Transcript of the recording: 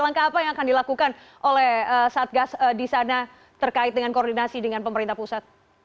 langkah apa yang akan dilakukan oleh satgas di sana terkait dengan koordinasi dengan pemerintah pusat